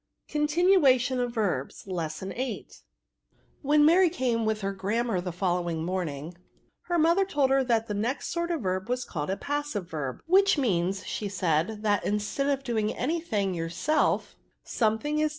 CONTINUATION OF VERBS. Lesson VIII. When Mary came with her grammar the following morning, her mother told her that the next sort of verb was called a ptusive verb, *^ which means,^ said she, that, instead of doing any thing yourself^ something is VERSA.'